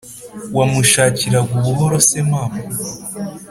wamushakiraga ubuhoro se mama?"